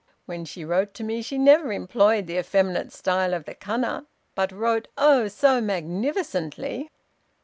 When she wrote to me she never employed the effeminate style of the Kana, but wrote, oh! so magnificently!